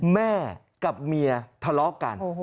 แม่กับเมียทะเลาะกัน